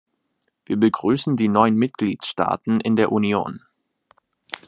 Wir begrüßen die neuen Mitgliedstaaten in der Union.